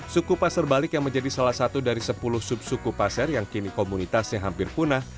suku pasar balik yang menjadi salah satu dari sepuluh subsuku pasar yang kini komunitasnya hampir punah